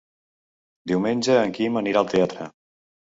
Diumenge en Quim anirà al teatre.